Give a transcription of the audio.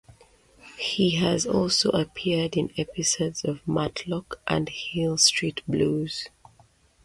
He has also appeared in episodes of "Matlock" and "Hill Street Blues".